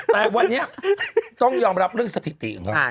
แต่วันนี้ต้องยอมรับเรื่องสถิติของเขา